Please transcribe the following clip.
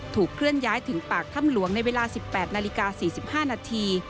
เคลื่อนย้ายถึงปากถ้ำหลวงในเวลา๑๘นาฬิกา๔๕นาที